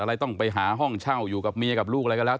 อะไรต้องไปหาห้องเช่าอยู่กับเมียกับลูกอะไรก็แล้ว